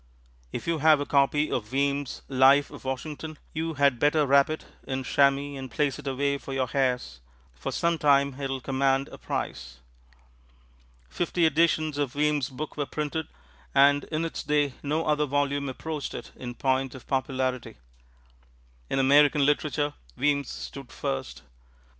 If you have a copy of Weems' "Life of Washington," you had better wrap it in chamois and place it away for your heirs, for some time it will command a price. Fifty editions of Weems' book were printed, and in its day no other volume approached it in point of popularity. In American literature, Weems stood first.